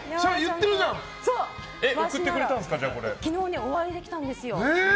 昨日、お会いできたんですよ。